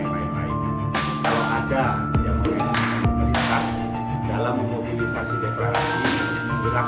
sekaligus fokus memperkenalkan ini bukan yang lain lain